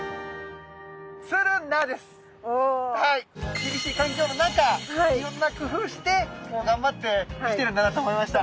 厳しい環境の中いろんな工夫して頑張って生きてるんだなと思いました。